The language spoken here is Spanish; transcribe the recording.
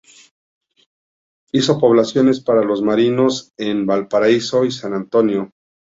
Hizo poblaciones para los marinos en Valparaíso y San Antonio.